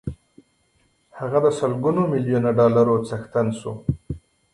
هغه د سلګونه ميليونه ډالرو څښتن شو.